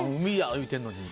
言うてるのに。